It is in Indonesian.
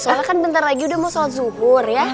soalnya kan bentar lagi udah mau sholat zuhur ya